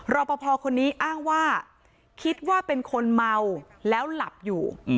รอปภคนนี้อ้างว่าคิดว่าเป็นคนเมาแล้วหลับอยู่